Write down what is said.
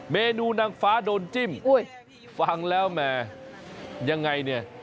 เมนูนางฟ้าโดนจิ้มฟังแล้วแหมยังไงเนี่ย